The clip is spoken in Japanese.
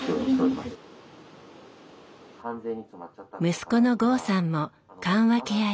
息子の剛さんも緩和ケア医。